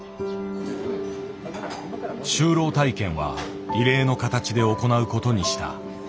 就労体験は異例の形で行うことにした。